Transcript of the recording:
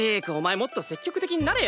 もっと積極的になれよ。